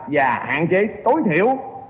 và hạn chế tối thiểu